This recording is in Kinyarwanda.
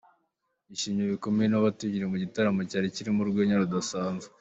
Yishimiwe bikomeye n’abitabiriye iki gitaramo cyari kirimo urwenya rudasanzwe.